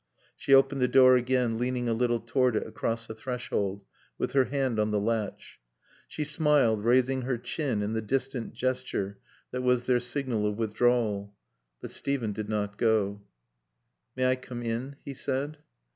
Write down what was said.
She opened the door again, leaning a little toward it across the threshold with her hand on the latch. She smiled, raising her chin in the distant gesture that was their signal of withdrawal. But Steven did not go. "May I come in?" he said.